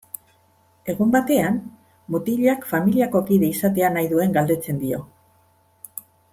Egun batean, mutilak familiako kide izatea nahi duen galdetzen dio.